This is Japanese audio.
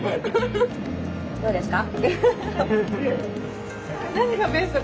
どうですか？